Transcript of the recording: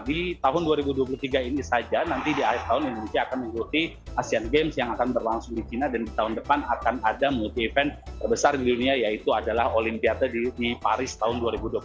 di tahun dua ribu dua puluh tiga ini saja nanti di akhir tahun indonesia akan mengikuti asean games yang akan berlangsung di china dan di tahun depan akan ada multi event terbesar di dunia yaitu adalah olimpiade di paris tahun dua ribu dua puluh empat